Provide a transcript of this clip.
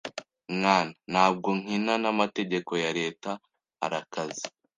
Mwana, ntabwo nkina namategeko yareta arakaze